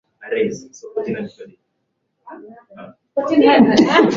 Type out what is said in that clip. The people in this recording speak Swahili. Zeno alikimbia aliporudi Anthemius alitumia kioo kilichochombwa ili kuiga radi na dhoruba za umeme